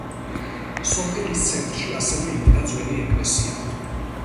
სოფელის ცენტრში ასევე იდგა ძველი ეკლესია.